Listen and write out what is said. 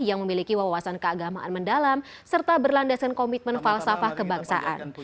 yang memiliki wawasan keagamaan mendalam serta berlandasan komitmen falsafah kebangsaan